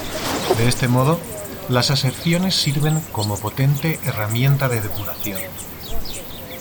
De este modo, las aserciones sirven como potente herramienta de depuración.